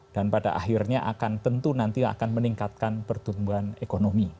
dan pada akhirnya akan tentu nanti akan meningkatkan pertumbuhan ekonomi